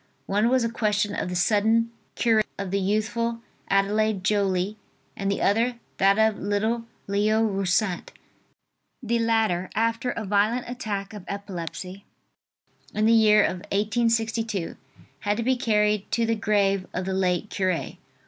One was a question of the sudden cure of the youthful Adelaide Joly, and the other, that of little Leo Roussat. The latter, after a violent attack of epilepsy, in the year 1862, had to be carried to the grave of the late cure.